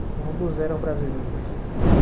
Ambos eram brasileiros.